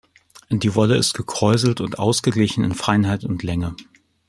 Die Wolle ist gekräuselt und ausgeglichen in Feinheit und Länge.